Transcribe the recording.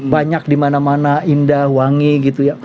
banyak dimana mana indah wangi gitu ya